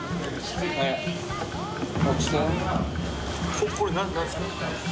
これ何ですか？